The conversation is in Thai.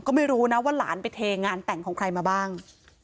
ก็ไม่รู้นะว่าหลานไปเทงานแต่งของใครมาบ้าง